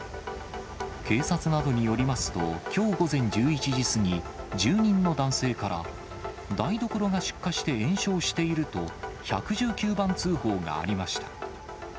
警察などによりますと、きょう午前１１時過ぎ、住人の男性から、台所が出火して延焼していると、１１９番通報がありました。